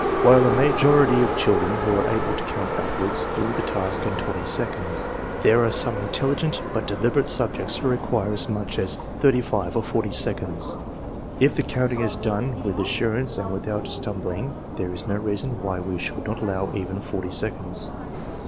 While a major ity of children who are able to count backwards do the task in twenty seconds, there are some intelligent but deliberate subjects who require as much as thirty five or forty seconds. If the counting is done with assurance and without stum bling, there is no reason why we should not allow even forty seconds.